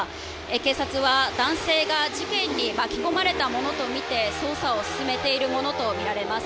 警察は男性が事件に巻き込まれたものとみて捜査を進めているものとみられます。